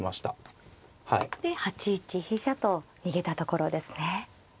で８一飛車と逃げたところですね。